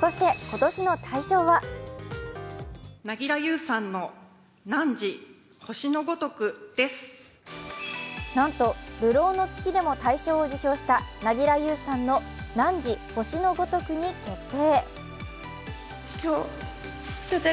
そして今年の大賞はなんと「流浪の月」でも大賞を受賞した凪良ゆうさんの「汝、星のごとく」に決定。